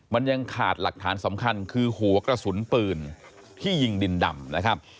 มันยังขาดหลักฐานสำคัญคือหัวกระสุนปืนที่ยิงดินดำนะครับ